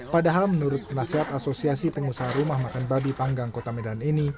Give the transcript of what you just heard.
padahal menurut penasihat asosiasi pengusaha rumah makan babi panggang kota medan ini